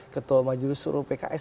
ketua majelis suruh pks